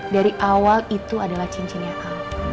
dari awal itu adalah cincinnya a